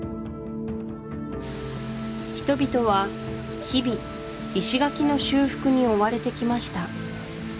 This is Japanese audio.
人々は日々石垣の修復に追われてきました